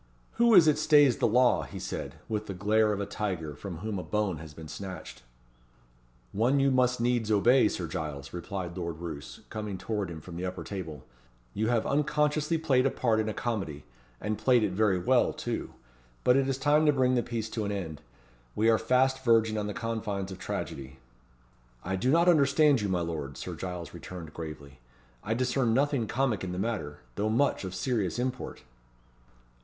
"Who is it stays the law?" he said, with the glare of a tiger from whom a bone has been snatched. "One you must needs obey, Sir Giles," replied Lord Roos, coming towards him from the upper table. "You have unconsciously played a part in a comedy and played it very well, too but it is time to bring the piece to an end. We are fast verging on the confines of tragedy." "I do not understand you, my lord," Sir Giles returned, gravely. "I discern nothing comic in the matter; though much of serious import."